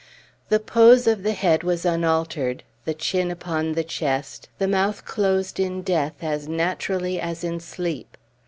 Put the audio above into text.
The pose of the head was unaltered, the chin upon the chest, the mouth closed in death as naturally as in sleep.